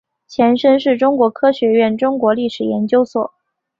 前身是中国科学院中国历史研究所。